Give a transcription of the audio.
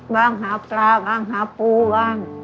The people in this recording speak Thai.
ว่างหาปลาว่างหาปูว่าง